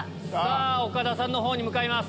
岡田さんのほうに向かいます。